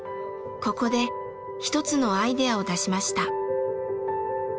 ここで一つのアイデアを出しました。